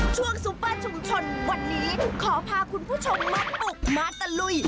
ซูเปอร์ชุมชนวันนี้ขอพาคุณผู้ชมมาบุกมาตะลุย